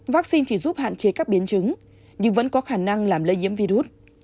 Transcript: vaccine chỉ giúp hạn chế các biến chứng nhưng vẫn có khả năng làm lây nhiễm virus